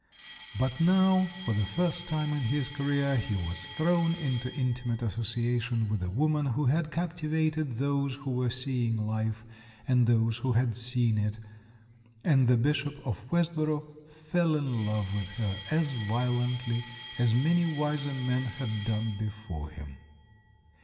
But now, for the first time in his career, he was thrown into intimate association with a wom an who had captivated those who were seeing life, and those who had seen it — and the Bishop of Westborough fell in love with her as violently as many wiser men had done before him.